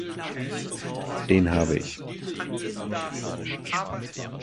Den habe ich.